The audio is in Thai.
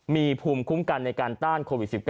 มีภูมิคุ้มกันในการต้านโควิด๑๙